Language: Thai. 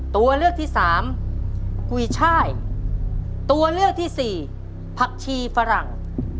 ตัวเลือกที่สามกุยช่ายตัวเลือกที่สี่ผักชีฝรั่ง